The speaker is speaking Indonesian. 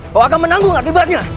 kau akan menanggung akibatnya